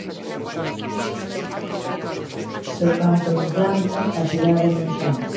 Se o campo non planta, a cidade non xanta